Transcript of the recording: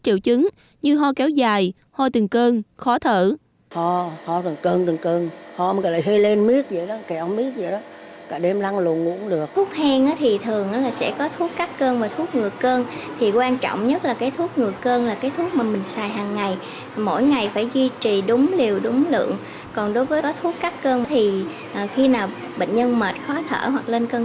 triệu chứng như ho kéo dài ho từng cơn khó thở